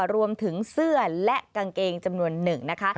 รวมถึงเสื้อและกางเกงจำนวนหนึ่งนะคะ